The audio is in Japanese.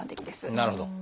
なるほど。